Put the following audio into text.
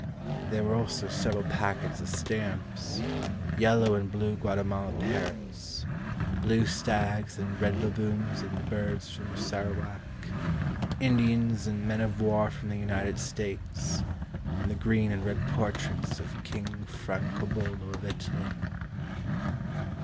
There were also several packets of stamps, Yellow and blue Guatemala parrots, Blue stags and red baboons and birds from Sarawak, Indians and Men of war From the United States, And the green and red portraits Of King Francobello Of Italy.